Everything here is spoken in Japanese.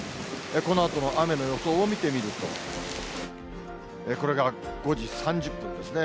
このあとの雨の予想を見てみると、これが５時３０分ですね。